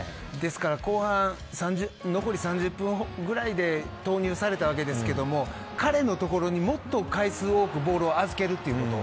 後半、残り３０分ぐらいで投入されたわけですが彼のところにもっと回数多くボールを預けること。